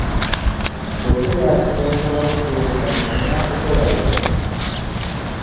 Bwe kiba nti kyensoma kituufu, kati nnina kukola ki?